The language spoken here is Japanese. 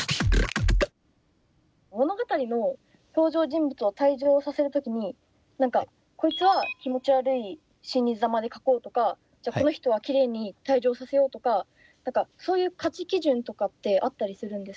物語の登場人物を退場させる時に何かこいつは気持ち悪い死にざまで描こうとかじゃあこの人はきれいに退場させようとか何かそういう価値基準とかってあったりするんですか？